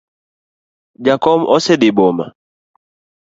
Jakom osedhi boma.